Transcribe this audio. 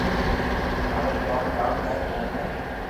مارو ڪوم ڪاو ھي تو ۾